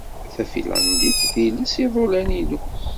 Tafinlandit d iles n yiḍewlan-inu.